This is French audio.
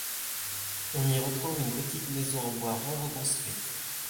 On y retrouve une petite maison en bois rond reconstruite.